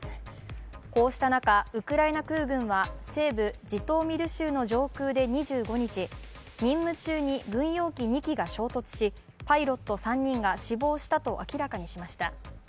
こうした中、ウクライナ空軍は西部ジトーミル州の上空で２５日、任務中に軍用機２機が衝突しパイロット３人が死亡したと明らかにしました。